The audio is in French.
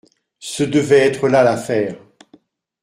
Ce devait être là l'affaire.